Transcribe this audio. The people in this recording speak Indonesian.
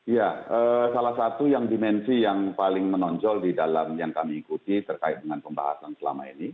ya salah satu yang dimensi yang paling menonjol di dalam yang kami ikuti terkait dengan pembahasan selama ini